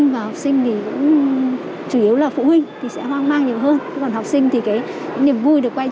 vẫn là câu hỏi khó có lời giải